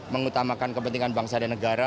mengutamakan kepentingan bangsa dan negara